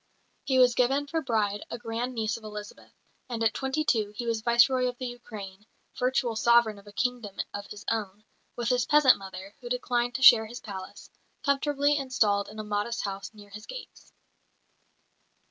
He was given for bride a grand niece of Elizabeth; and at twenty two he was Viceroy of the Ukraine, virtual sovereign of a kingdom of his own, with his peasant mother, who declined to share his palace, comfortably installed in a modest house near his gates.